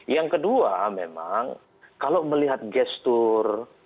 yang kedua memang kalau melihat gestur